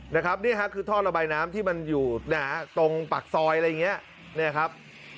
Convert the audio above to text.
นะครับนี่ฮะคือท่อระบายน้ำที่มันอยู่นะฮะตรงปากซอยอะไรอย่างเงี้ยเนี่ยครับ